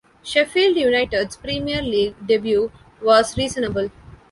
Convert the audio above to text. Sheffield United's Premier League debut was reasonable.